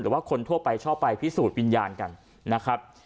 หรือว่าคนทั่วไปชอบไปพิสูจน์วิญญาณกันนะครับ